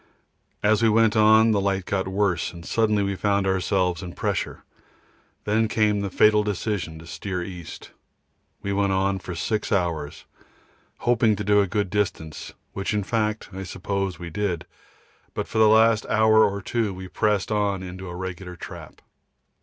As we went on light got worse, and suddenly we found ourselves in pressure. Then came the fatal decision to steer east. We went on for 6 hours, hoping to do a good distance, which in fact I suppose we did, but for the last hour or two we pressed on into a regular trap.